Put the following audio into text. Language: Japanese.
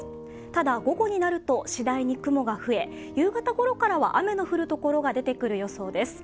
ただ、午後になると次第に雲が増え夕方ころからは雨の降る所が出てくる予想です。